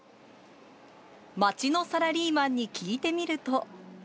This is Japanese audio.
街のサラリーマンに聞いてみると。